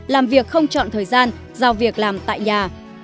làm việc không chọn thời gian giao việc làm tại nhà